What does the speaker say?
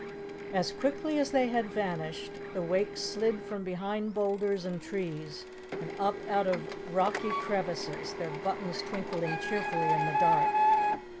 As quickly as they had vanished, the Wakes slid from behind boulders and trees and up out of rocky crevices, their buttons twinkling cheerfully in the dark.